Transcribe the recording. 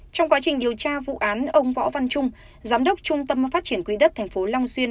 trong quá trình điều tra vụ án ông võ văn trung giám đốc trung tâm phát triển quỹ đất tp long xuyên